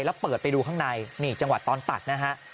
แล้วเปิดไปดูข้างในนี่จังหวะตอนตัดนะฮะ